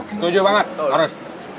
setuju banget harus